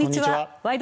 「ワイド！